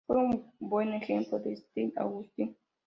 Un buen ejemplo es Steve Austin.